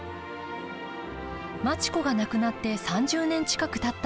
町子が亡くなって３０年近くたった